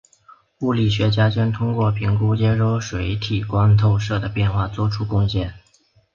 物理学家将通过评估接收水体光透射的变化做出贡献。